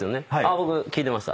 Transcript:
僕聞いてました。